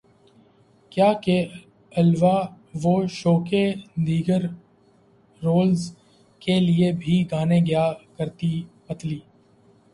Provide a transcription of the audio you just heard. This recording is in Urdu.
کیا کے الوا وو شو کے دیگر رولز کے لیے بھی گانے گیا کرتی پتلی